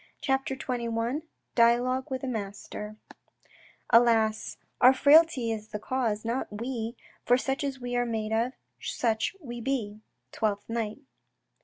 CHAPTER XXI DIALOGUE WITH A MASTER Alas, our frailty is the cause, not we ; For such as we are made of, such we be. — Twelfth Night.